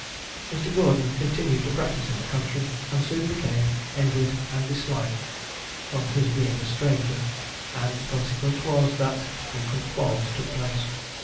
Mr. Gordon continued to practise in the country, and soon became envied and disliked from his being a stranger; and the consequence was, that frequent quarrels took place.